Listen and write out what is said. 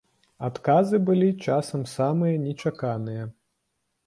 Адказы былі часам самыя нечаканыя.